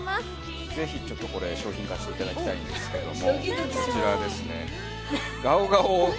ぜひちょっとこれ、商品化していただきたいんですけれども。